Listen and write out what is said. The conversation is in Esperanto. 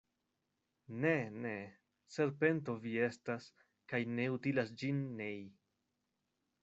Ne, ne! Serpento vi estas, kaj ne utilas ĝin nei.